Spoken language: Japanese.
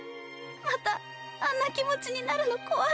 またあんな気持ちになるの怖い。